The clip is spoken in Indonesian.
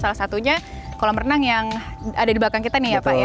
salah satunya kolam renang yang ada di belakang kita nih ya pak ya